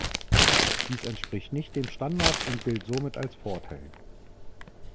Dies entspricht nicht dem Standard und gilt somit als Vorteil.